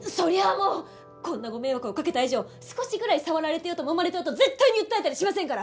もうこんなご迷惑をかけた以上少しぐらい触られてようともまれてようと絶対に訴えたりしませんから！